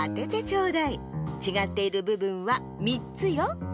ちがっているぶぶんは３つよ。